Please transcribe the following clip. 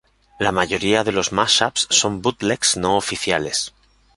La mayoría de los mashups son bootlegs no oficiales.